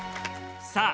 さあ